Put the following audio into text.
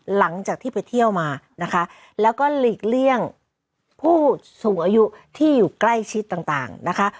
หลังจากที่ไปเที่ยวมานะคะแล้วก็หลีกเลี่ยงผู้สูงอายุที่อยู่ใกล้ชิดต่างนะคะ